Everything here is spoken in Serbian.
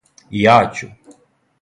И ја ћу!